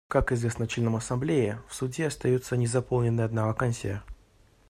Как известно членам Ассамблеи, в Суде остается незаполненной одна вакансия.